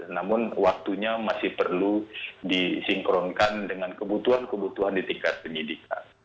namun waktunya masih perlu disinkronkan dengan kebutuhan kebutuhan di tingkat penyidikan